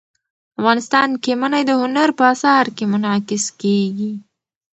افغانستان کې منی د هنر په اثار کې منعکس کېږي.